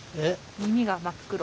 耳が真っ黒。